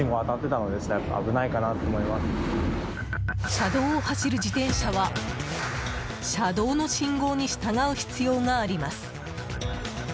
車道を走る自転車は車道の信号に従う必要があります。